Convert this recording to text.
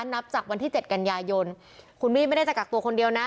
นับจากวันที่เจ็ดกันยายนคุณมี่ไม่ได้จะกักตัวคนเดียวนะ